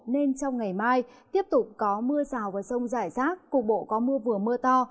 nên trong ngày mai tiếp tục có mưa rào và rông rải rác cục bộ có mưa vừa mưa to